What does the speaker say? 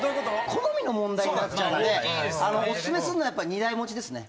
好みの問題になっちゃうのでオススメするのはやっぱ２台持ちですね。